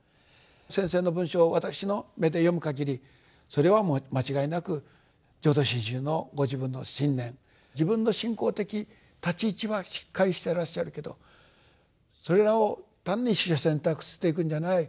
先生の文章を私の目で読むかぎりそれはもう間違いなく浄土真宗のご自分の信念自分の信仰的立ち位置はしっかりしてらっしゃるけどそれらを単に取捨選択していくんじゃない。